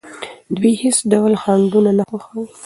دوی هیڅ ډول خنډونه نه خوښوي.